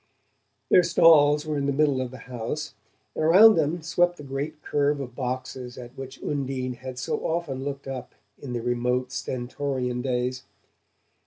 Their stalls were in the middle of the house, and around them swept the great curve of boxes at which Undine had so often looked up in the remote Stentorian days.